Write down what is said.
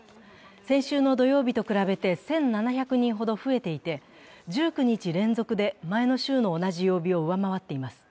先週の土曜日と比べて１７００人ほど増えていて、１９日連続で前の週の同じ曜日を上回っています。